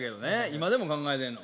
今でも考えてんの？